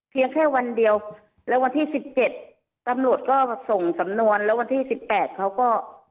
แค่วันเดียวแล้ววันที่สิบเจ็ดตำรวจก็ส่งสำนวนแล้ววันที่สิบแปดเขาก็